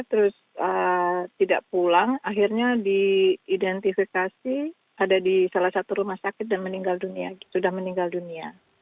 terus tidak pulang akhirnya diidentifikasi ada di salah satu rumah sakit dan meninggal dunia sudah meninggal dunia